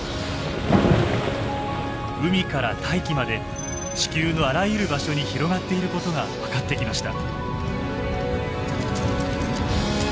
海から大気まで地球のあらゆる場所に広がっていることが分かってきました。